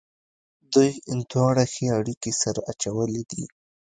دوی دواړو ښې اړېکې سره اچولې دي.